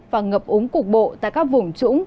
và ngập ống cục bộ tại các vùng trũng